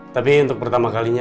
tapi untuk pertama kalinya